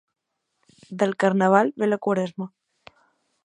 Del carnal ve la Quaresma.